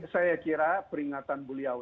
saya kira peringatan beliau